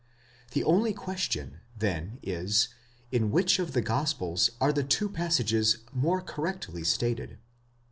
The only question then is, in which of the gospels are the two passages more correctly stated?